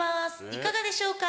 いかがでしょうか？